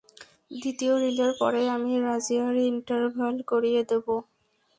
দ্বিতীয় রিলের পরেই আমি রাজিয়ার ইন্টারভাল করিয়ে দিবো।